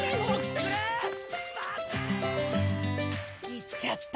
行っちゃった。